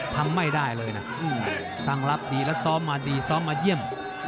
ทำไม่ได้เลยนะตั้งรับดีแล้วซ้อมมาดีซ้อมมาเยี่ยม